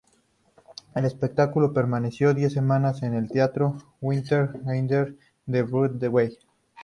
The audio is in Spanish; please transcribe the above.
El espectáculo permaneció diez semanas en el Teatro Winter Garden de Broadway.